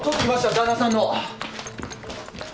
旦那さんの。